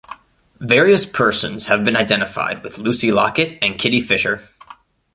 Various persons have been identified with Lucy Locket and Kitty Fisher.